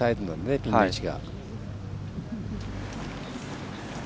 ピンの位置が。